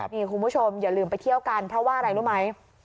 นี่คุณผู้ชมอย่าลืมไปเที่ยวกันเพราะว่าอะไรรู้ไหม